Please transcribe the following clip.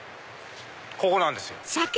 ここなんですよ。